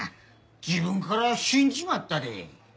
自分から死んじまったで。